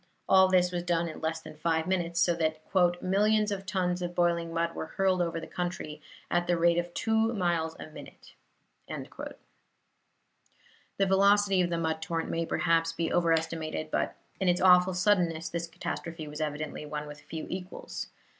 All this was done in less than five minutes, so that "millions of tons of boiling mud were hurled over the country at the rate of two miles a minute." The velocity of the mud torrent may perhaps be overestimated, but in its awful suddenness this catastrophe was evidently one with few equals.